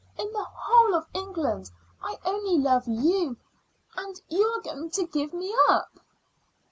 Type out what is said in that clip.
In the whole of England I only love you, and you are going to give me up."